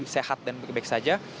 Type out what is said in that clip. sehat dan baik baik saja